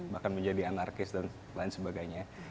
bahkan menjadi anarkis dan lain sebagainya